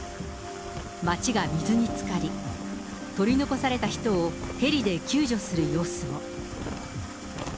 街が水につかり、取り残された人をヘリで救助する様子も。